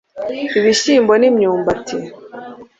ibishyimbo n imyumbati